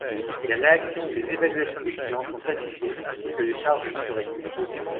Les réactions et les évaluations des clients sont affichées ainsi que les charges livrées.